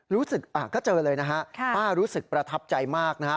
รู้สึกก็เจอเลยนะฮะป้ารู้สึกประทับใจมากนะฮะ